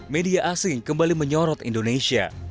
media asing kembali menyorot indonesia